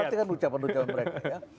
pastikan ucapan ucapan mereka ya